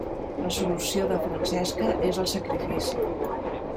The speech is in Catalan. La solució de Francesca és el sacrifici.